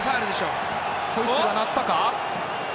ホイッスルは鳴ったか？